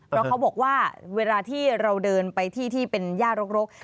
เพราะเขาบอกว่าเวลาที่เราเดินไปที่ที่เป็นย่ารก